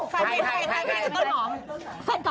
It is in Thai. ใครฟันก่อนต้นหอม